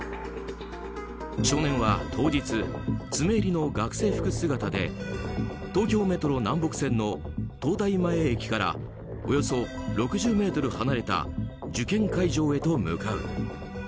少年は当日、詰襟の学生服姿で東京メトロ南北線の東大前駅からおよそ６０ｍ離れた受験会場へと向かう。